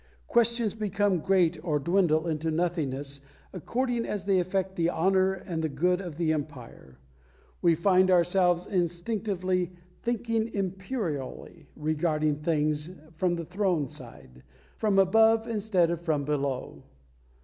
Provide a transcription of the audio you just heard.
Questions become great or dwindle into nothingness according as they affect the honour and the good of the Empire. We find ourselves instinctively "thinking Imperially," regarding things from the Throne side from above instead of from below.